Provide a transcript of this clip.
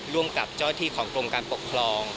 ร่วมกับเจ้าที่ของกรมการปกครอง